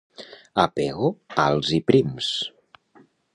A Pego, alts i prims.